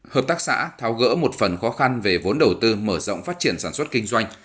hợp tác xã tháo gỡ một phần khó khăn về vốn đầu tư mở rộng phát triển sản xuất kinh doanh